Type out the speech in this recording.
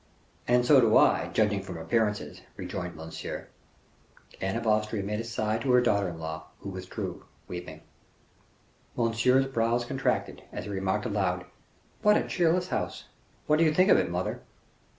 "And so do I, judging from appearances," rejoined Monsieur. Anne of Austria made a sigh to her daughter in law, who withdrew, weeping. Monsieur's brows contracted, as he remarked aloud, "What a cheerless house. What do you think of it, mother?"